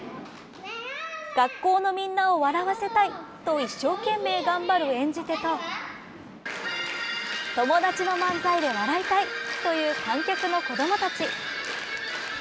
学校のみんなを笑わせたいと一生懸命、頑張る演じ手と友達の漫才で笑いたいという観客の子どもたち。